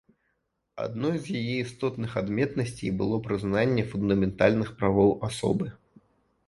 Адной з яе істотных адметнасцей было прызнанне фундаментальных правоў асобы.